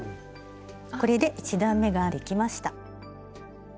これで１段めができました。